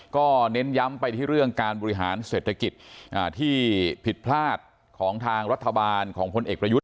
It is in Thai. ก็เน้นย้ำไปที่เรื่องการบริหารเศรษฐกิจที่ผิดพลาดของทางรัฐบาลของพลเอกประยุทธ์